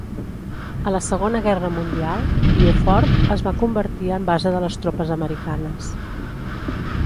A la Segona Guerra Mundial, Vieux Fort es va convertir en base de les tropes americanes.